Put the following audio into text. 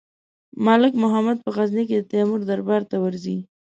ملک محمد په غزني کې د تیمور دربار ته ورځي.